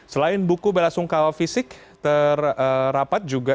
selain buku bella sungkawa fisik terrapat juga